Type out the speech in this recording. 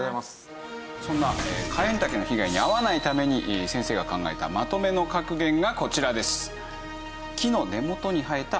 そんなカエンタケの被害に遭わないために先生が考えたまとめの格言がこちらです。